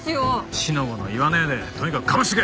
四の五の言わねえでとにかくかましてけ！